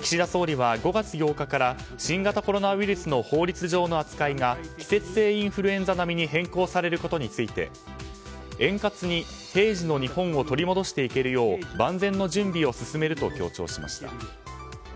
岸田総理は５月８日から新型コロナウイルスの法律上の扱いが季節性インフルエンザ並みに変更されることについて円滑に平時の日本を取り戻していけるよう万全の準備を進めると強調しました。